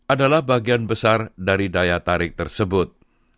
adalah bagian besar dari daya tarik tersebut